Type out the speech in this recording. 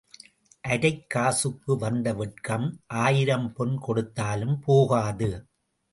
அரைக் காசுக்கு வந்த வெட்கம் ஆயிரம் பொன் கொடுத்தாலும் போகாது.